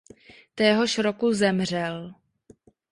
Téhož roku zemřel.